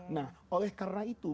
nah oleh karena itu